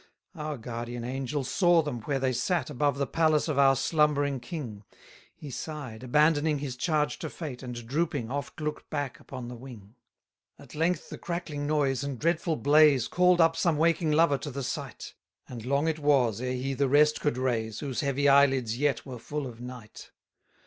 224 Our guardian angel saw them where they sate Above the palace of our slumbering king: He sigh'd, abandoning his charge to fate, And, drooping, oft look'd back upon the wing. 225 At length the crackling noise and dreadful blaze Call'd up some waking lover to the sight; And long it was ere he the rest could raise, Whose heavy eyelids yet were full of night.